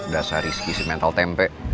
dasar risky si mental tempe